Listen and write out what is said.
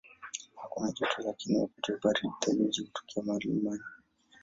Hakuna joto kali lakini wakati wa baridi theluji hutokea mlimani.